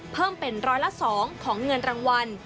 เพิ่มเป็นร้อยละ๒ของเงินรางวัล